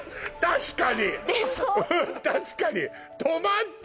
確かに！